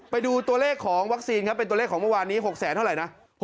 ไปดูตัวเลขของวัคซีนครับเป็นตัวเลขของเมื่อวานนี้